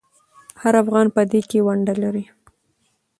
هر افغان په دې کې ونډه لري.